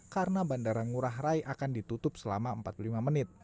karena bandara ngurah rai akan ditutup selama empat puluh lima menit